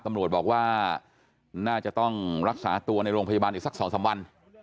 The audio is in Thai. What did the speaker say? ตำรวจบอกว่าน่าจะต้องรักษาตัวในโรงพยาบาลอีกสัก๒๓วัน